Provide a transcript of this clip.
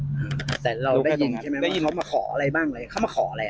แต่เราได้ยินใช่ไหมว่าเค้ามาขออะไรบ้างเลย